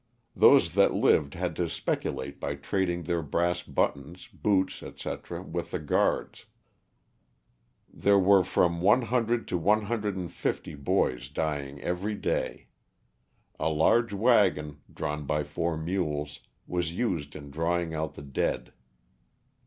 Those that lived had to speculate by trading their brass buttons, boots, etc., with the guards. There were from one hundred to one hundred and fifty boys dying every day. A large wagon, drawn by four mules, was used in drawing out the dead.